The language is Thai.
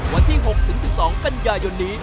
วันที่๖๑๒กันยายนนี้